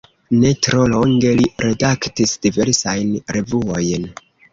Ne tro longe li redaktis diversajn revuojn.